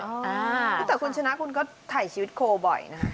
แต่คุณชนะคุณก็ถ่ายชีวิตโคบ่อยนะฮะ